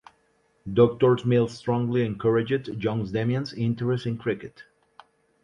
Doctor Mills strongly encouraged young Damian's interest in cricket.